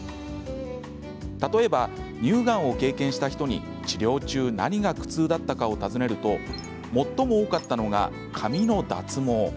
例えば、乳がんを経験した人に治療中、何が苦痛だったかを尋ねると最も多かったのが髪の脱毛。